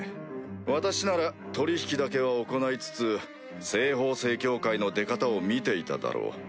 私なら取引だけは行いつつ西方聖教会の出方を見ていただろう。